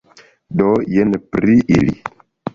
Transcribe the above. Do, jen pri ili.